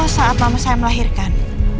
saat mama saya melahirkan